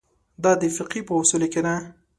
دا د فقهې په اصولو کې ده.